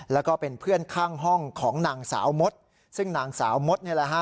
แล้วก็เป็นเพื่อนข้างห้องของนางสาวมดซึ่งนางสาวมดนี่แหละฮะ